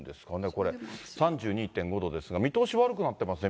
これ、３２．５度ですが、見通し悪くなってません？